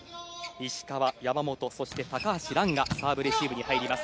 石川、山本そして高橋藍がサービスレシーブに入ります。